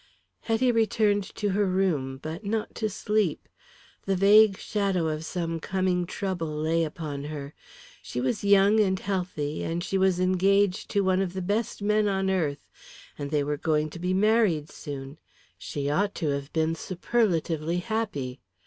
Hetty returned to her room, but not to sleep. The vague shadow of some coming trouble lay upon her. She was young and healthy, and she was engaged to one of the best men on earth. And they were going to be married soon. She ought to have been superlatively happy.